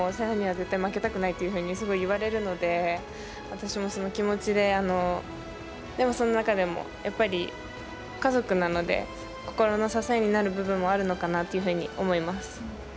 なには絶対負けたくないとすごい言われるので、私もその気持ちで、でもその中でもやっぱり、家族なので心の支えになる部分もあるのかなというふうに思います。